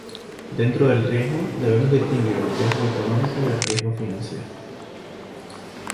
Dentro del riesgo debemos distinguir el riesgo económico del riesgo financiero.